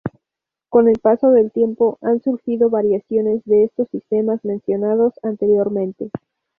Con el paso del tiempo, han surgido variaciones de estos sistemas mencionados anteriormente.